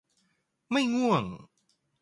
ไม่ง่วง